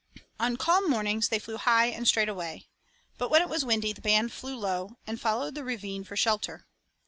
On calm mornings they flew high and straight away. But when it was windy the band flew low, and followed the ravine for shelter.